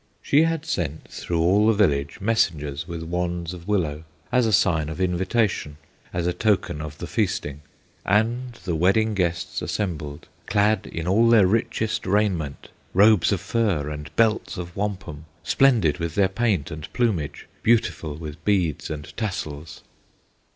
She had sent through all the village Messengers with wands of willow, As a sign of invitation, As a token of the feasting; And the wedding guests assembled, Clad in all their richest raiment, Robes of fur and belts of wampum, Splendid with their paint and plumage, Beautiful with beads and tassels.